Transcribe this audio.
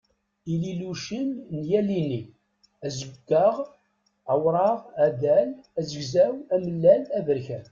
Ililucen n yal inni: azeggaɣ, awṛaɣ, adal, azegzaw, amellal, aberkan.